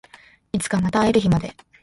いつかまた会える日まで